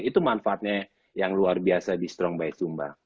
itu manfaatnya yang luar biasa di strong by sumba